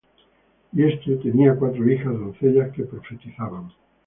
Y éste tenía cuatro hijas, doncellas, que profetizaban.